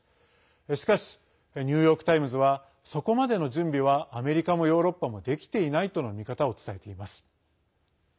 しかしニューヨーク・タイムズはそこまでの準備はアメリカもヨーロッパもできていないとの見方を伝えています。